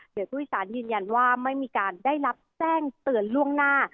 โดยผู้โดยสารยืนยันว่าไม่มีการได้รับแจ้งเตือนล่วงหน้า